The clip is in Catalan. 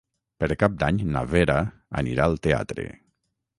Per Cap d'Any na Vera anirà al teatre.